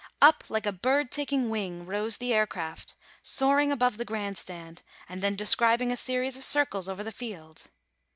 Up, like a bird taking wing, rose the aircraft, soaring above the grand stand and then describing a series of circles over the field.